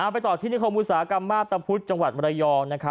ไปต่อที่นิคมอุตสาหกรรมมาพตะพุธจังหวัดมรยอง